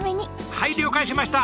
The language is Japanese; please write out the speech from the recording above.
はい了解しました！